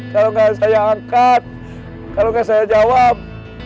kalau gak saya angkat kalau gak saya jawab